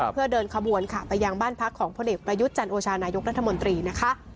เพื่อเดินขบวนค่ะไปยังบ้านพักของพลเอกประยุทธ์จันโอชานายกรัฐมนตรีนะคะ